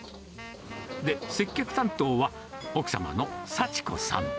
で、接客担当は、奥様の幸子さん。